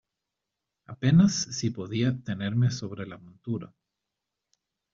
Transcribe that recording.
apenas si podía tenerme sobre la montura.